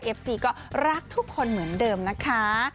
ซีก็รักทุกคนเหมือนเดิมนะคะ